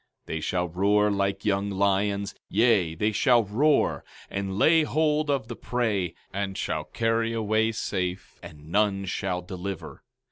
15:29 They shall roar like young lions; yea, they shall roar, and lay hold of the prey, and shall carry away safe, and none shall deliver.